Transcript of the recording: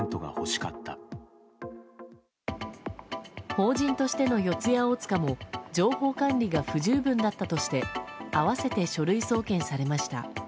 法人としての四谷大塚も情報管理が不十分だったとして併せて書類送検されました。